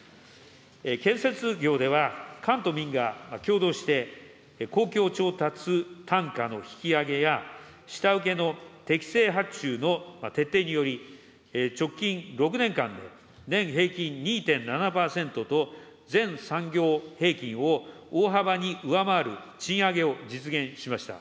建設業では、官と民が協働して公共調達単価の引き上げや、下請けの適正発注の徹底により、直近６年間で年平均２．７％と全産業平均を大幅に上回る賃上げを実現しました。